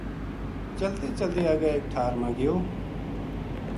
چلتیں چلتیں اگے ایک ٹھار ما گیو